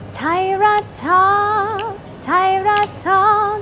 ไทรัฐธรรมไทรัฐธรรม